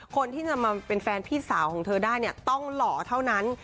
คนที่จะมาเป็นแฟนพี่สาวของเธอได้เนี่ยต้องหล่อเท่านั้น